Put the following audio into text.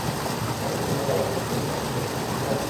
কঠোর গোপনীয়তা অবলম্বন করে তাদেরকে প্রবেশের অনুমতি দেয়া হল।